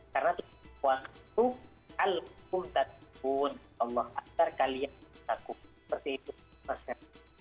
hal yang baik karena waktu alaikum tazimun allah azzar kalian takut seperti itu